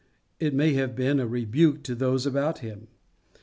It may have been as a rebuke to those about him.